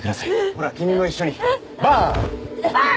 ほら君も一緒にバーン！